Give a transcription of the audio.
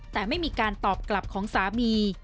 แต่ไม่มีการตอบกลับของสามี